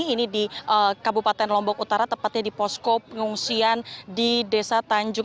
ini di kabupaten lombok utara tepatnya di posko pengungsian di desa tanjung